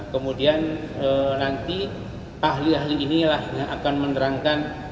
kemudian nanti ahli ahli inilah yang akan menerangkan